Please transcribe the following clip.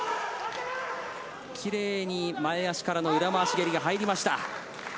きれいに前足からの裏回し蹴りが入りました。